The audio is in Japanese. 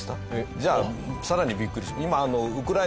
じゃあさらにビックリします。